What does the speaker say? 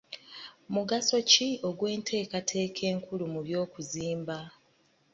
Mugaso ki ogw'enteekateeka enkulu mu by'okuzimba?